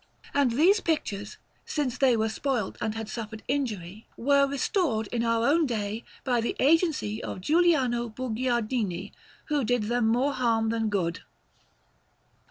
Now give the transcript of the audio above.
And these pictures, since they were spoilt and had suffered injury, were restored in our own day by the agency of Giuliano Bugiardini, who did them more harm than good.